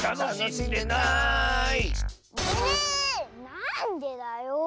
なんでだよ。